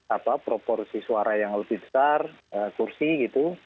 apa proporsi suara yang lebih besar kursi gitu